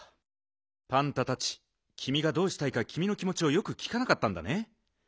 パンタたちきみがどうしたいかきみの気もちをよくきかなかったんだね。